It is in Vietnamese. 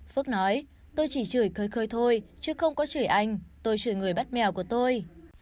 phước nói tôi chỉ chửi cơi thôi chứ không có chửi anh tôi chửi người bắt mèo của tôi